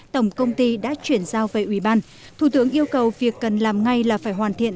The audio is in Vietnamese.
tổng công ty đã chuyển giao về ủy ban thủ tướng yêu cầu việc cần làm ngay là phải hoàn thiện